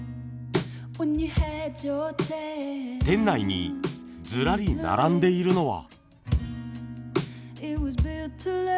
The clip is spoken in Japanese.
店内にずらり並んでいるのは。